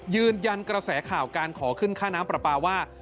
ยืนยันกระแสข่าวการขอขึ้นค่าน้ำปลาปลาว่า